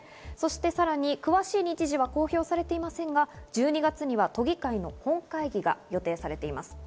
さらに詳しい日時は公表されていませんが、１２月には都議会の本会議が予定されています。